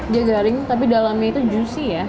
dia garing tapi dalamnya itu juicy ya